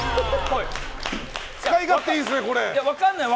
使い勝手いいですね、これ。